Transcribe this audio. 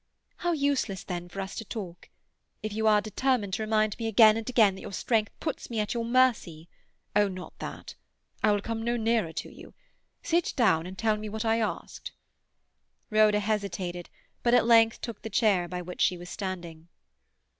"How useless, then, for us to talk. If you are determined to remind me again and again that your strength puts me at your mercy—" "Oh, not that! I will come no nearer to you. Sit down, and tell me what I asked." Rhoda hesitated, but at length took the chair by which she was standing.